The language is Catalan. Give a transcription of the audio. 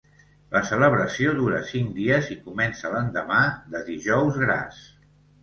La celebració dura cinc dies i comença l'endemà de Dijous Gras.